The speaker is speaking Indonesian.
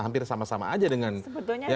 hampir sama sama aja dengan yang dulu ya